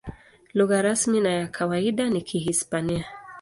Lugha rasmi na ya kawaida ni Kihispania.